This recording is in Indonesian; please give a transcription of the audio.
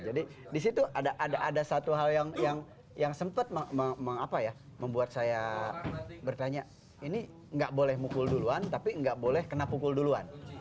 jadi disitu ada satu hal yang sempat membuat saya bertanya ini gak boleh mukul duluan tapi gak boleh kena pukul duluan